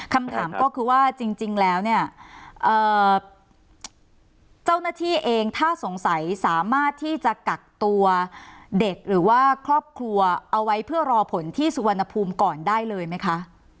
คำถามก็คือว่าจริงแล้วเนี่ยเจ้าหน้าที่เองถ้าสงสัยสามารถที่จะกักตัวเด็กหรือว่าครอบครัวเอาไว้เพื่อรอผลที่สุวรรณภูมิก่อนได้เลยไหมคะ